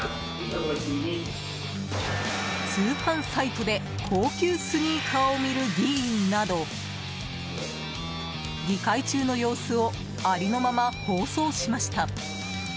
通販サイトで高級スニーカーを見る議員など議会中の様子をありのまま放送しました。